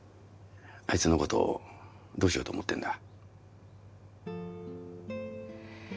あいつのことどうしようと思ってんだ？